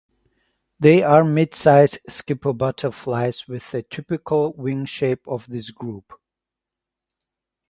They are mid-sized skipper butterflies with the typical wing shape of this group.